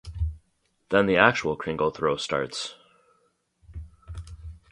Then the actual kringle throw starts.